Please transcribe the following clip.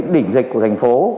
đỉnh dịch của thành phố